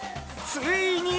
ついに！